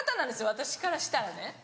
私からしたらね。